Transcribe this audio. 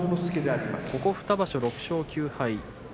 ここ２場所、６勝９敗